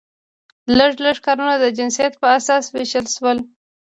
لږ لږ کارونه د جنسیت په اساس وویشل شول.